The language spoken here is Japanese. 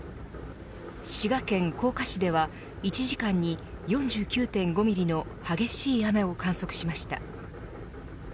滋賀県甲賀市では１時間に４９．５ミリの激しい雨を観測しました。